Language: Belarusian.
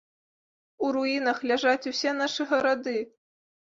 У руінах ляжаць усе нашы гарады.